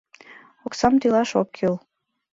— Оксам тӱлаш ок кӱл.